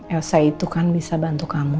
elsa itu kan bisa bantu kamu